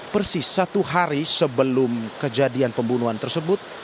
persis satu hari sebelum kejadian pembunuhan tersebut